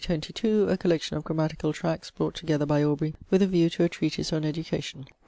22, a collection of grammatical tracts, brought together by Aubrey with a view to a treatise on education; MS.